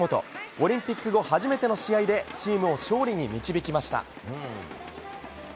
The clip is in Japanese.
オリンピック後初めての試合でチームを勝利に導きました。